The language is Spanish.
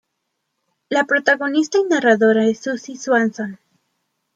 La protagonista y narradora es Suzy Swanson.